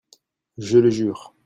Je le jure !